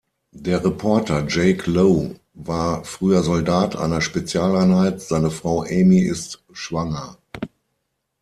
Der Reporter Jake Lowe war früher Soldat einer Spezialeinheit, seine Frau Amy ist schwanger.